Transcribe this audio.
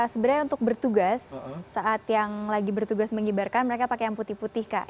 sebenarnya untuk bertugas saat yang lagi bertugas mengibarkan mereka pakai yang putih putih kak